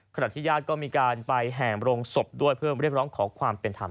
ขณะที่ญาติก็มีการไปแห่มโรงศพด้วยเพื่อเรียกร้องขอความเป็นธรรม